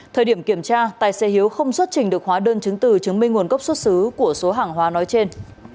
thời điểm kiểm tra tài xế hiếu không xuất trình được hóa đơn chứng từ chứng minh nguồn gốc xuất xứ của số hàng hóa nói trên